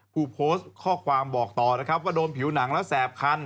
ผู้โพสต์ข้อความบอกต่อนะครับว่าโดนผิวหนังแล้วแสบคัน